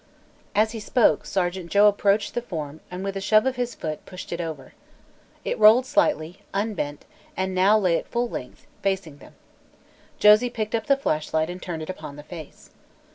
As he spoke, Sergeant Joe approached the form and with a shove of his foot pushed it over. It rolled slightly, unbent, and now lay at full length, facing them. Josie picked up the flashlight and turned it upon the face.